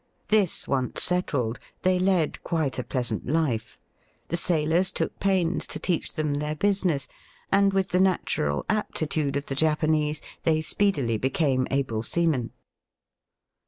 This once settled, they led quite a pleasant life. The sailors took pains to teach them their business, and, with the natural aptitude of the Japanese, they speedily became able seamen.